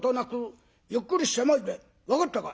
分かったか？」。